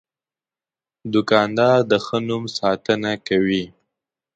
دوکاندار د ښه نوم ساتنه کوي.